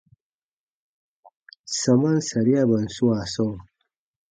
Samaan sariaban swaa sɔɔ.